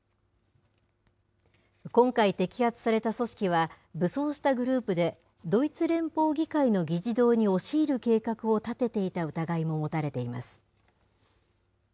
今回、摘発された組織は、武装したグループで、ドイツ連邦議会の議事堂に押し入る計画を立てていた疑いも持たれています。